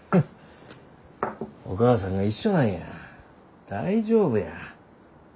お義母さんが一緒なんや大丈夫や。